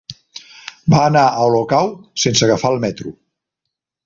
Va anar a Olocau sense agafar el metro.